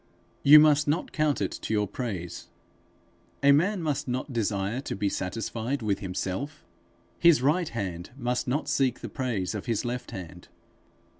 You must not count it to your praise. A man must not desire to be satisfied with himself. His right hand must not seek the praise of his left hand.